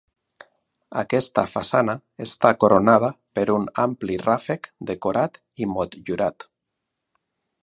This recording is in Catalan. Aquesta façana està coronada per un ampli ràfec decorat i motllurat.